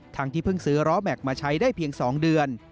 ที่เพิ่งซื้อล้อแม็กซ์มาใช้ได้เพียง๒เดือน